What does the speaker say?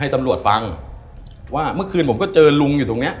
ตำรวจฟังว่าเมื่อคืนผมก็เจอลุงอยู่ตรงเนี้ย